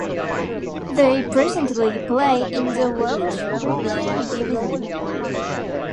They presently play in the Welsh Premier Division.